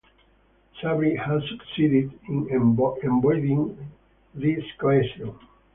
Sabri has succeeded in embodying this cohesion.